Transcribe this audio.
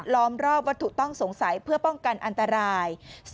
ล้อมรอบวัตถุต้องสงสัยเพื่อป้องกันอันตราย